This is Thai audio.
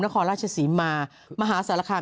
นครราชศรีมามหาสารคาม